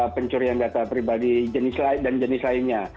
pencurian data pribadi dan jenis lainnya